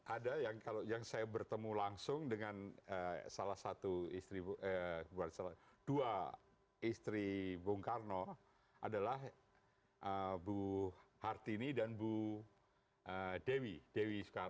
ada yang kalau yang saya bertemu langsung dengan salah satu istri dua istri bung karno adalah bu hartini dan bu dewi dewi